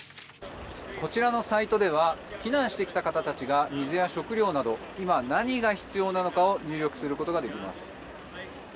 こちらのサイトでは避難してきた方たちが水や食料など今、何が必要なのかを入力することができます。